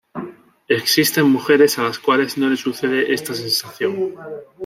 Existen mujeres a las cuales no le sucede esta sensación.